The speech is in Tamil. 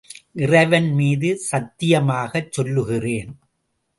இறைவன் மீது சத்தியமாகச் சொல்லுகிறேன்.